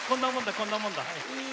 こんなものだ。